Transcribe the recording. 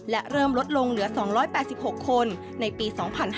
และเริ่มลดลงเหลือ๒๘๖คนในปี๒๕๕๙